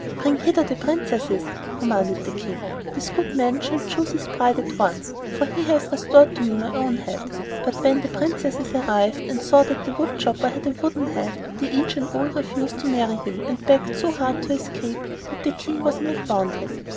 "Bring hither the princesses," commanded the King. "This good man shall choose his bride at once, for he has restored to me my own head." But when the princesses arrived and saw that the wood chopper had a wooden head, they each and all refused to marry him, and begged so hard to escape that the King was in a quandary.